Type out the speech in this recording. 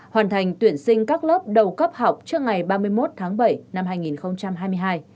hoàn thành tuyển sinh các lớp đầu cấp học trước ngày ba mươi một tháng bảy năm hai nghìn hai mươi hai